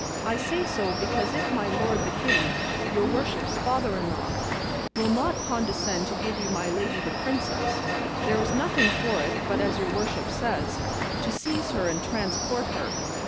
I say so because if my lord the king, your worship's father in law, will not condescend to give you my lady the princess, there is nothing for it but, as your worship says, to seize her and transport her.